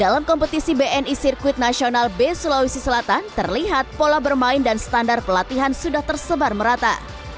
dalam kompetisi bni sirkuit nasional b sulawesi selatan terlihat pola bermain dan standar pelatihan sudah tersebar merata